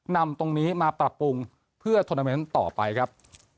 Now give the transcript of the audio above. นำตรงนี้มาปรับปรุงเพื่อต่อไปครับ